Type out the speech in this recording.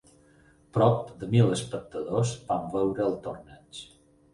Prop de mil espectadors van veure el torneig.